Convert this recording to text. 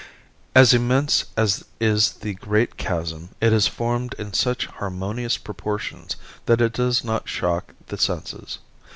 As immense as is the great chasm it is formed in such harmonious proportions that it does not shock the senses.